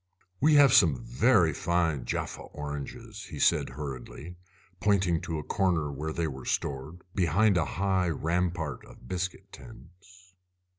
"We have some very fine Jaffa oranges," he said hurriedly, pointing to a corner where they were stored, behind a high rampart of biscuit tins.